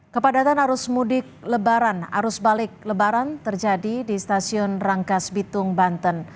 kepadatan arus mudik lebaran arus balik lebaran terjadi di stasiun rangkas bitung banten